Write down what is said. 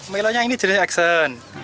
melonnya ini jenis eksen